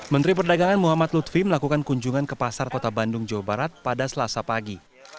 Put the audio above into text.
menteri perdagangan muhammad lutfi melakukan kunjungan ke pasar kota bandung jawa barat pada selasa pagi